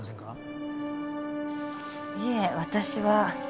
いえ私は。